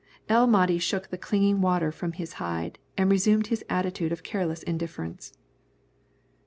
El Mahdi shook the clinging water from his hide and resumed his attitude of careless indifference.